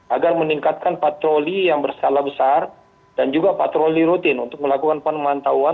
agar meningkatkan patroli yang berskala besar dan juga patroli rutin untuk melakukan pemantauan